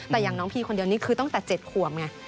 แต่อย่างน้องพีคนเดียวนี่คือตั้งแต่๗ขวบไง